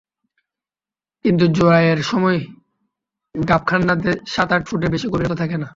কিন্তু জোয়ারের সময় গাবখান নদে সাত-আট ফুটের বেশি গভীরতা থাকে না।